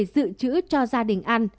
dự trữ cho gia đình ăn